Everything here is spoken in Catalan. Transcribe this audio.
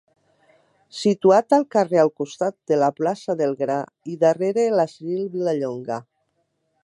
Situat al carrer al costat de la plaça del Gra i darrere l'Asil Vilallonga.